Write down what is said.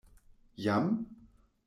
Jam?